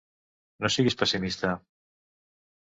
No siguis pessimista!